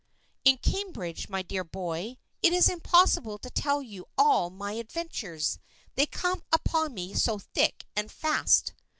" In Cambridge, my dear boy. It is impossible to tell you all my adventures, they come upon me so thick and fast."